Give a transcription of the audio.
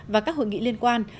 và các hội nghị liên quan